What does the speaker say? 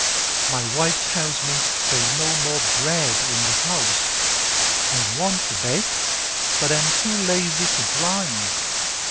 My wife tells me there is no more bread in the house; I want to bake, but am too lazy to grind.